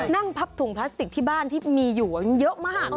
พับถุงพลาสติกที่บ้านที่มีอยู่เยอะมาก